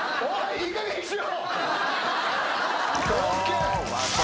いいかげんにしろ。